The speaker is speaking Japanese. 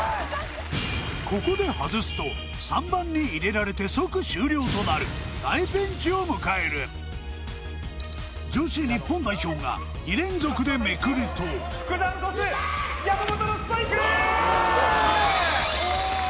ここで外すと３番に入れられて即終了となるを迎える女子日本代表が２連続でめくると福澤のトスいけ！